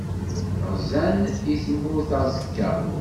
Ɣzen i tmurt aẓekka.